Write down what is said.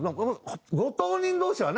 ご当人同士はね